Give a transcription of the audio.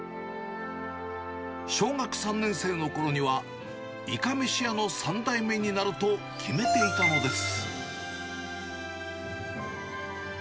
小学３年生のころには、いかめし屋の３代目になると決めていたのです。